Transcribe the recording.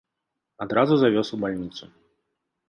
Адразу завёз у бальніцу.